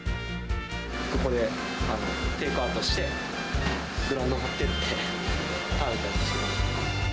ここでテイクアウトして、グラウンド持ってって、食べたりしてました。